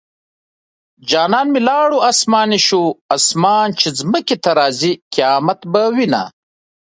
جانان مې لاړو اسماني شو اسمان چې ځمکې ته راځي قيامت به وينه